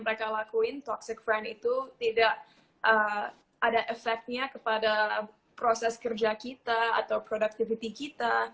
mereka lakuin toxic friend itu tidak ada efeknya kepada proses kerja kita atau productivity kita